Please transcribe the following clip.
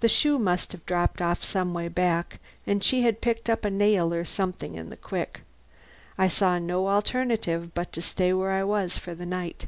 The shoe must have dropped off some way back and she had picked up a nail or something in the quick. I saw no alternative but to stay where I was for the night.